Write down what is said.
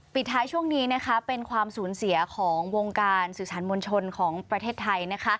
ปิดท้ายช่วงนี้นะคะเป็นความสูญเสียของวงการสื่อสารมวลชนของประเทศไทยนะคะ